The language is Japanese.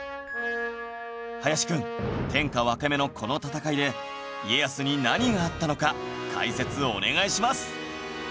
林くん天下分け目のこの戦いで家康に何があったのか解説お願いします！